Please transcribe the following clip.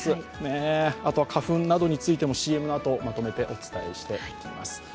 あとは花粉などについてもＣＭのあと、お伝えしていきます。